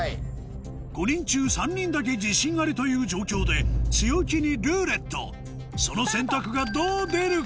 ５人中３人だけ自信ありという状況で強気に「ルーレット」その選択がどう出るか？